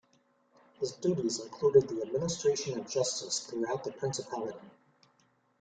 His duties included the administration of justice throughout the principality.